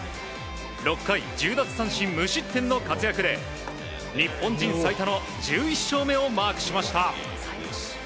６回１０奪三振無失点の活躍で日本人最多の１１勝目をマークしました。